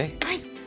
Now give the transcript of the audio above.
はい。